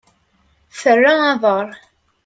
Terra aḍar.